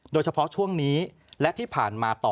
โดยเฉพาะช่วงนี้และที่ผ่านมาต่อ